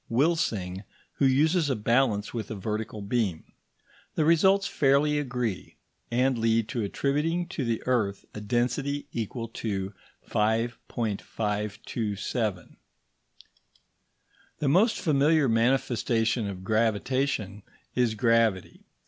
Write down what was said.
Wilsing, who uses a balance with a vertical beam. The results fairly agree, and lead to attributing to the earth a density equal to 5.527. The most familiar manifestation of gravitation is gravity.